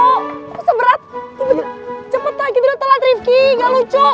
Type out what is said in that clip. aduh kok seberat cepetan gitu telat rifki gak lucu